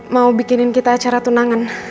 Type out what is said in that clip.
mau bikinin kita acara tunangan